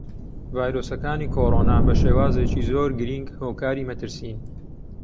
ڤایرۆسەکانی کۆڕۆنا بەشێوازێکی زۆر گرینگ هۆکاری مەترسین.